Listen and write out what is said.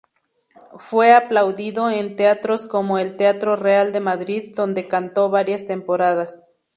Fue aplaudido en teatros como el Teatro Real de Madrid, donde cantó varias temporadas.